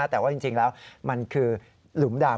แต่ว่าจริงแล้วมันคือหลุมดำ